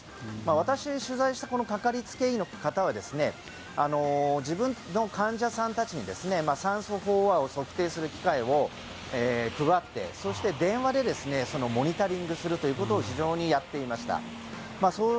私が取材したかかりつけ医の方は自分の患者さんたちに酸素飽和度を測定する機械を配って、電話でモニタリングするということを非常にやっていました。